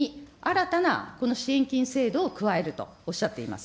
そして社会保険料の上乗せに新たなこの支援金制度を加えるとおっしゃっています。